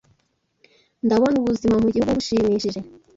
Ndabona ubuzima mu gihugu bushimishije.